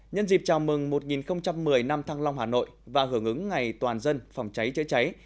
nhân dịp chào mừng một nghìn một mươi năm thăng long hà nội và hưởng ứng ngày toàn dân phòng cháy chữa cháy